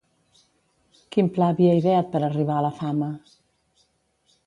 Quin pla havia ideat per arribar a la fama?